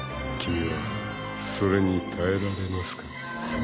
［君はそれに耐えられますか？］